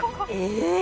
えっ。